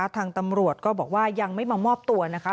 ทางตำรวจก็บอกว่ายังไม่มามอบตัวนะคะ